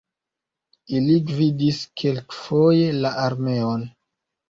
Ili gvidis kelkfoje la armeon.